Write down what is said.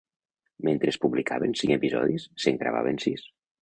Mentre es publicaven cinc episodis, se'n gravaven sis.